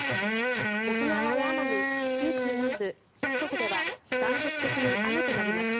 沖縄や奄美、九州南部、四国では断続的に雨となります。